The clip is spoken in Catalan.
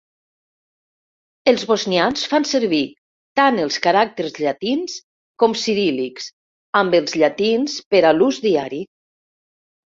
Els bosnians fan servir tant els caràcters llatins com ciríl·lics, amb els llatins per a l'ús diari.